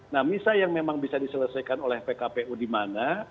nah misa yang memang bisa diselesaikan oleh pkpu di mana